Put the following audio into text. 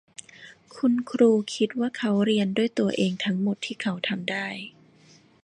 คุณครูคิดว่าเขาเรียนด้วยตัวเองทั้งหมดที่เขาทำได้